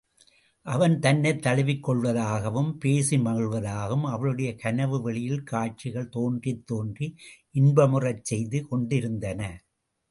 அவன் தன்னைத் தழுவிக் கொள்வதாகவும் பேசி மகிழ்வதாகவும் அவளுடைய கனவுவெளியில் காட்சிகள் தோன்றித் தோன்றி இன்பமுறச் செய்து கொண்டிருந்தன.